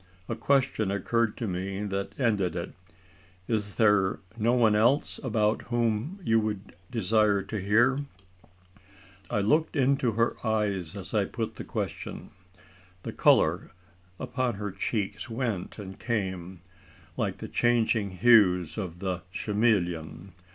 A question occurred to me that ended it. "Is there no one else about whom you would desire to hear?" I looked into her eyes as I put the question. The colour upon her cheeks went and came, like the changing hues of the chameleon.